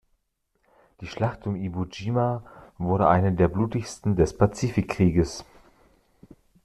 Die Schlacht um Iwojima wurde eine der blutigsten des Pazifikkriegs.